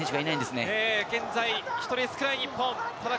現在、１人少ない日本。